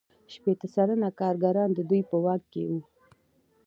شپیته سلنه کارګران د دوی په واک کې وو